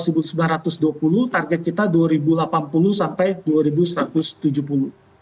target kita dua ribu delapan puluh sampai dua ribu satu ratus tujuh puluh